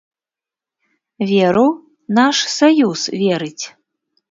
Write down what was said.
Веру, наш саюз верыць.